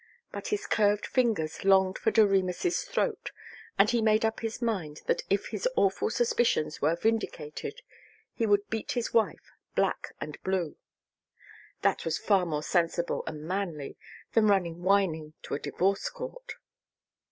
But his curved fingers longed for Doremus' throat and he made up his mind that if his awful suspicions were vindicated he would beat his wife black and blue. That was far more sensible and manly than running whining to a divorce court.